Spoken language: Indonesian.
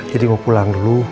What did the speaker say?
jadi mau pulang dulu